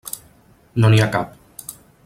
No n'hi ha cap.